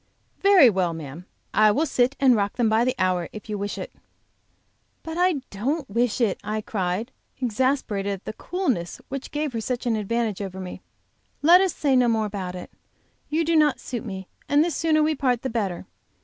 "Very well, ma'am, I will sit and rock them by the hour if you wish it." "But I don't wish it," I cried, exasperated at the coolness which gave her such an advantage over me. "Let us say no more about it; you do not suit me, and the sooner we part the better.